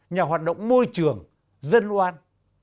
nhà hoạt động môi trường dân loan